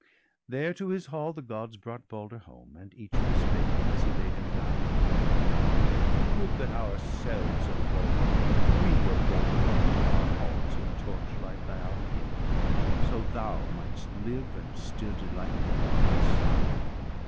There to his hall the Gods brought Balder home, And each bespake him as he laid him down: —' Would that ourselves, O Balder, we were borne Home to our halls, with torchlight, by our kin. So thou might'st live, and still delight the Gods